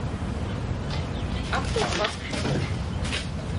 А хто ж вас клікаў?